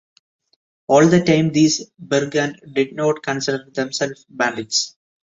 At the time these brigands did not consider themselves bandits.